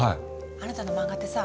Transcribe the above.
あなたの漫画ってさ